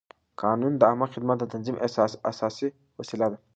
قانون د عامه خدمت د تنظیم اساسي وسیله ده.